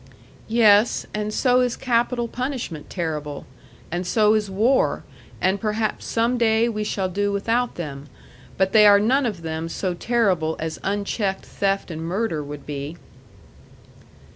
"Yes; and so is capital punishment terrible. And so is war. And perhaps some day we shall do without them. But they are none of them so terrible as unchecked theft and murder would be."